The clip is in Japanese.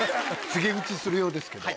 告げ口するようですけど。